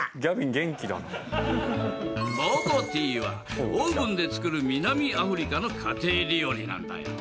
ボボティーはオーブンで作る南アフリカの家庭料理なんだよ。